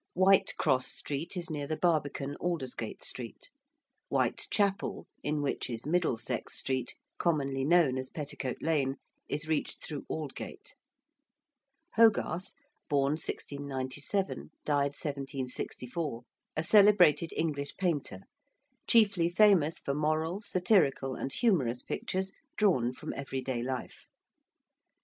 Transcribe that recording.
~Whitecross Street~ is near the Barbican, Aldersgate Street; ~Whitechapel~, in which is ~Middlesex Street~ (commonly known as Petticoat Lane), is reached through Aldgate. ~Hogarth~ (born 1697, died 1764): a celebrated English painter, chiefly famous for moral, satirical and humorous pictures drawn from everyday life.